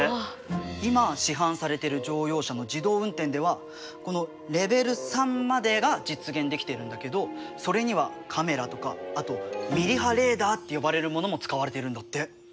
今市販されている乗用車の自動運転ではこのレベル３までが実現できているんだけどそれにはカメラとかあとミリ波レーダーって呼ばれるものも使われてるんだって。